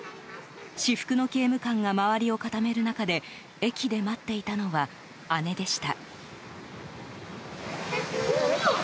私服の刑務官が周りを固める中で駅で待っていたのは姉でした。